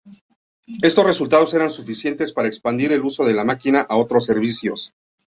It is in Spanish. Estos resultados eran suficientes para expandir el uso de la máquina a otros servicios.